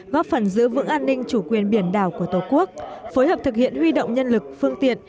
góp phần giữ vững an ninh chủ quyền biển đảo của tổ quốc phối hợp thực hiện huy động nhân lực phương tiện